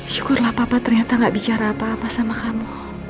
syukurlah papa ternyata gak bicara apa apa sama kamu